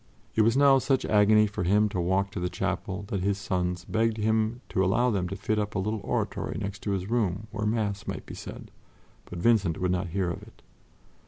It was now such agony for him to walk to the chapel that his sons begged him to allow them to fit up a little oratory next to his room where Mass might be said, but Vincent would not hear of it.